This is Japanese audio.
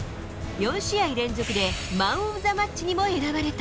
４試合連続でマン・オブ・ザ・マッチにも選ばれた。